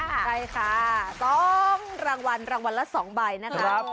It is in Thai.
ใช่ค่ะ๒รางวัลรางวัลละ๒ใบนะคะ